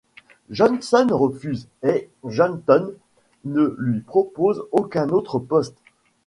Johnson refuse et Johnston ne lui propose aucun autre poste.